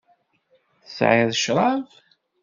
Tesεiḍ ccrab?